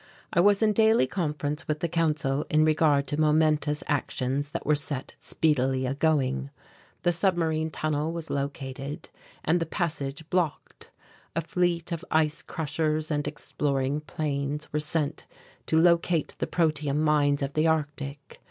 I was in daily conference with the Council in regard to momentous actions that were set speedily a going. The submarine tunnel was located and the passage blocked. A fleet of ice crushers and exploring planes were sent to locate the protium mines of the Arctic.